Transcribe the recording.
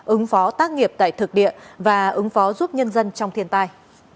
ứng phó tác nghiệp tại thực địa và ứng phó giúp nhân dân trong thiên tai